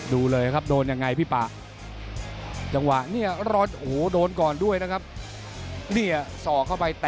ดูเลยครับโดนยังไงพี่ป่ะ